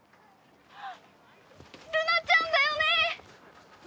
ルナちゃんだよね？